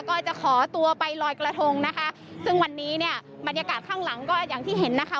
ก็จะขอตัวไปลอยกระทงนะคะซึ่งวันนี้เนี่ยบรรยากาศข้างหลังก็อย่างที่เห็นนะคะ